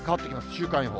週間予報。